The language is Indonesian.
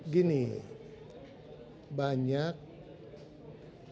gini banyak pengelolaan